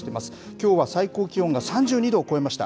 きょうは最高気温が３２度を超えました。